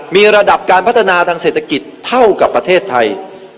มีระดับการพัฒนาทางเศรษฐกิจเท่ากับประเทศไทย